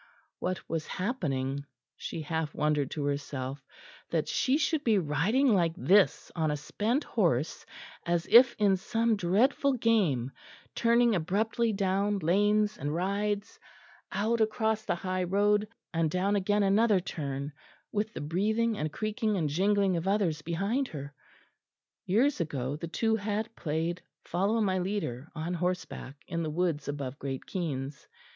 What was happening, she half wondered to herself, that she should be riding like this on a spent horse, as if in some dreadful game, turning abruptly down lanes and rides, out across the high road, and down again another turn, with the breathing and creaking and jingling of others behind her? Years ago the two had played Follow my leader on horseback in the woods above Great Keynes.